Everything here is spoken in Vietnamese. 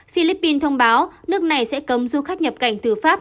philippines thông báo nước này sẽ cấm du khách nhập cảnh từ pháp